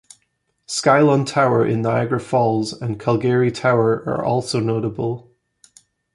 Skylon Tower in Niagara Falls, and Calgary Tower are also notable.